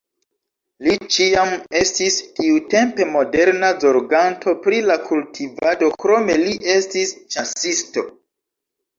Li ĉiam estis tiutempe moderna zorganto pri la kultivado, krome li estis ĉasisto.